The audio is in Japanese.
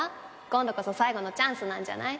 今度こそ最後のチャンスなんじゃない？